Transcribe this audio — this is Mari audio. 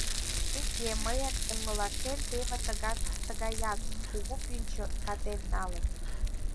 Уке, мыйын оҥылашем теве тыгаяк кугу пӱнчӧ катен налын.